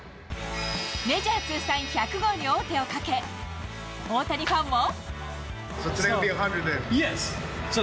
メジャー通算１００号に王手をかけ、大谷ファンも。